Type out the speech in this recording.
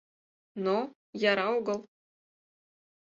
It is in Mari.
Но... яра огыл.